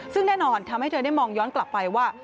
ซึ่งแน่นอนทำให้เธอได้มองย้อนกลับไปว่า